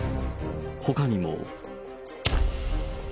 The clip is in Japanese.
ほかにも。